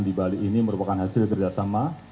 di bali ini merupakan hasil kerjasama